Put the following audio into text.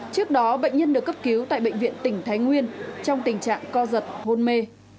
trước đó bệnh nhân được cấp cứu tại bệnh viện tỉnh thái nguyên trong tình trạng co giật hôn mê